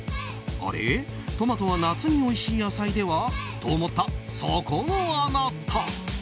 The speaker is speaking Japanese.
あれ、トマトは夏においしい野菜では？と思った、そこのあなた！